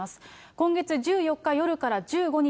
今月１４日夜から１５日